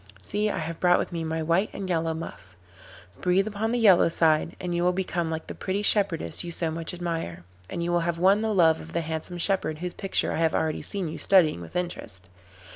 See, I have brought with me my white and yellow muff. Breathe upon the yellow side and you will become like the pretty shepherdess you so much admire, and you will have won the love of the handsome shepherd whose picture I have already seen you studying with interest.